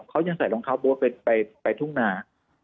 เขายังใส่รองเท้าโบ๊ทไปทุ่งนา